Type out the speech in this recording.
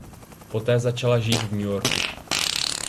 Poté začala žít v New Yorku.